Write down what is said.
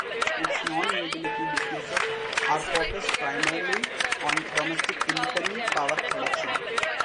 Its non-utility businesses are focused primarily on domestic independent power production.